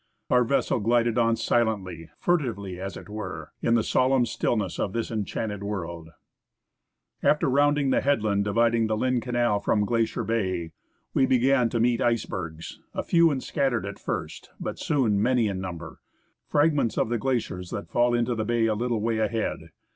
Our vessel glided on silently — furtively, as it were — in the solemn stillness of this enchanted world. 30 FROM JUNEAU TO YAKUTAT After rounding the headland dividing the Lynn Canal from Glacier Bay, we began to meet icebergs, few and scattered at first, but soon many in number — fragments of the glaciers that fall into the bay a little way ahead.